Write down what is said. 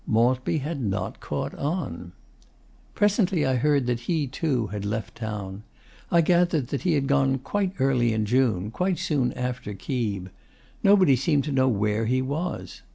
Maltby had not caught on. Presently I heard that he, too, had left town. I gathered that he had gone quite early in June quite soon after Keeb. Nobody seemed to know where he was.